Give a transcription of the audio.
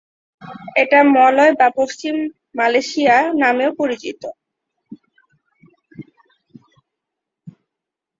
এটি মালয় বা পশ্চিম মালয়েশিয়া নামেও পরিচিত।